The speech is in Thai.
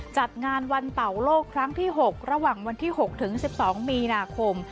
จัดงานวันเป่าโลกครั้งที่๖ระหว่างวันที่๖ถึง๑๒มีนาคม